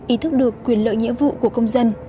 ý thức được quyền lợi nghĩa vụ của công dân